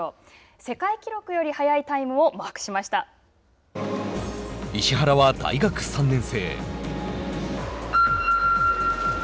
世界記録より速いタイムを石原は大学３年生。